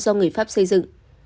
do người pháp xây dựng